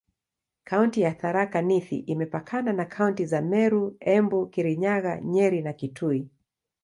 Kaunti ya Tharaka Nithi imepakana na kaunti za Meru, Embu, Kirinyaga, Nyeri na Kitui.